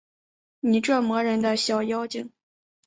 你这磨人的小妖精